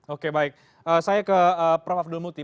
oke baik saya ke prof abdul muti